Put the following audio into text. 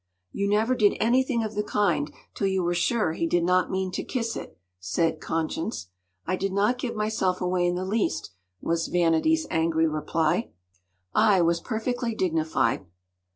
“You never did anything of the kind till you were sure he did not mean to kiss it!” said conscience. “I did not give myself away in the least!”—was vanity’s angry reply. “I was perfectly dignified.